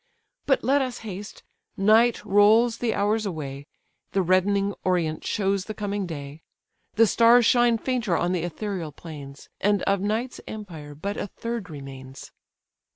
But let us haste—Night rolls the hours away, The reddening orient shows the coming day, The stars shine fainter on the ethereal plains, And of night's empire but a third remains."